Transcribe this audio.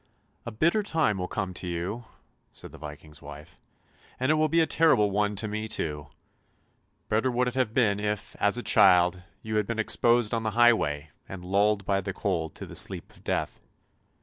" A bitter time will come to you," said the Viking's wife, " and it will be a terrible one to me too ! Better would it have been, if, as a child, you had been exposed on the highway, and lulled by the cold to the sleep of death!